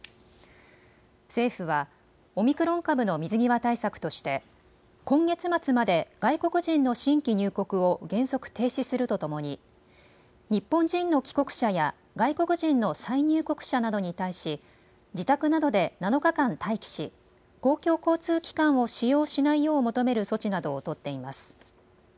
政府はオミクロン株の水際対策として今月末まで外国人の新規入国を原則停止するとともに日本人の帰国者や外国人の再入国者などに対し自宅などで７日間待機し公共交通機関を使用しないよう求める措置などを取っています。